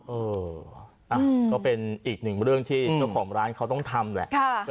เออก็เป็นอีกหนึ่งเรื่องที่เจ้าของร้านเขาต้องทำแหละ